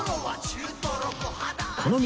この道